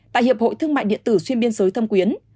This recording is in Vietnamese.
tại hiệp hội thương mại điện tử xuyên biên giới thâm quyến